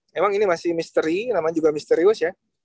memang ini masih misteri namanya juga misterius ya